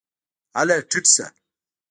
هله ټیټ شه !